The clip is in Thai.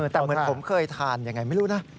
แต่เหมือนผมเคยทานยังไงไม่รู้นะ